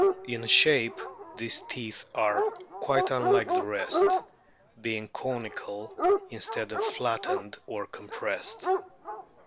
In shape these teeth are quite unlike the rest, being conical instead of flattened or compressed."